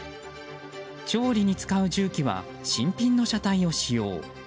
調理に使う重機は新品の車体を使用。